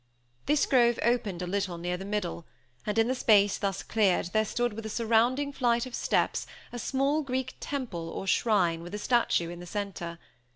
This grove opened, a little, near the middle; and, in the space thus cleared, there stood with a surrounding flight of steps a small Greek temple or shrine, with a statue in the center.